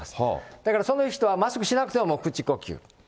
だからその人はマスクしてなくても、口呼吸。